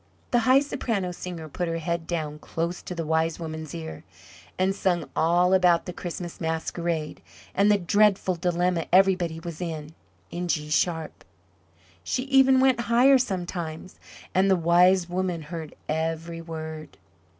The High Soprano Singer put her head down close to the Wise Woman's ear, and sung all about the Christmas Masquerade and the dreadful dilemma everybody was in, in G sharp she even went higher, sometimes, and the Wise Woman heard every word.